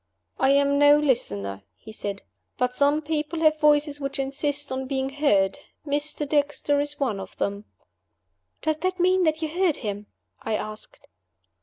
"I am no listener," he said. "But some people have voices which insist on being heard. Mr. Dexter is one of them." "Does that mean that you heard him?" I asked.